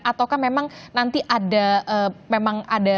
ataukah memang nanti ada memang ada badan lagi ya pak